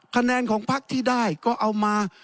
คะแนนของพักที่ได้ก็เอามา